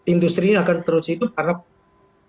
industri ini akan terus hidup karena